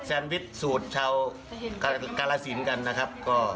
แซนวิชสูตรชาวกาลสินกันนะครับ